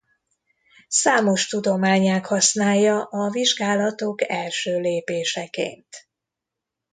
Számos tudományág használja a vizsgálatok első lépéseként.